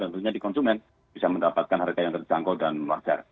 tentunya di konsumen bisa mendapatkan harga yang terjangkau dan wajar